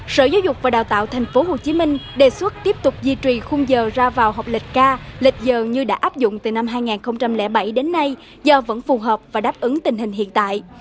sở giáo dục và đào tạo tp hcm đề xuất tiếp tục duy trì khung giờ ra vào học lịch ca lịch giờ như đã áp dụng từ năm hai nghìn bảy đến nay do vẫn phù hợp và đáp ứng tình hình hiện tại